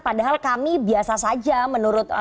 padahal kami biasa saja menurut